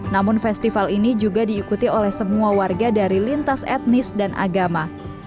namun festival ini juga diikuti oleh semua warga dari lintas etnis dan agama